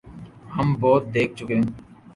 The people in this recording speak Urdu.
ہم بہت دیکھ چکے۔